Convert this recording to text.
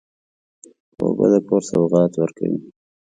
کوربه د کور سوغات ورکوي.